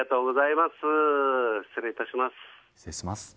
失礼いたします。